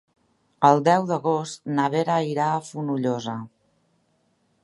El deu d'agost na Vera irà a Fonollosa.